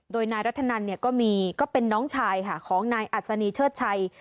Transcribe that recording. โดยนายรัฐนันเนี่ยก็มีก็เป็นน้องชายค่ะของนายอัศนีเชิดชัย